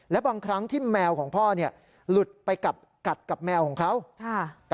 และบางครั้งที่แมวของพ่อเนี่ยหลุดไปกับกัดกับแมวของเขา